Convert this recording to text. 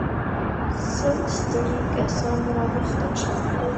سل ستړي کسان را مخته شئ.